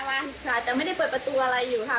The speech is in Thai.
วันค่ะแต่ไม่ได้เปิดประตูอะไรอยู่ค่ะ